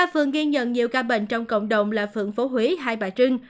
ba phường ghi nhận nhiều ca bệnh trong cộng đồng là phượng phố huế hai bà trưng